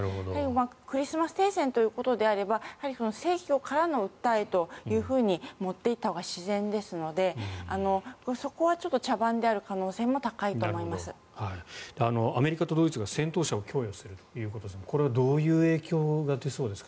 クリスマス停戦ということであれば正教からの訴えというふうに持っていったほうが自然ですのでそこは茶番である可能性もアメリカとドイツが戦闘車を供与するということですがこれはどういう影響が出そうですか？